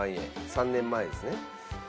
３年前ですね。